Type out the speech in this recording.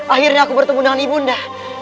akhirnya aku bertemu dengan ibu unda